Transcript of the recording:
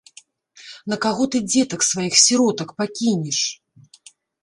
На каго ты дзетак сваіх, сіротак, пакінеш?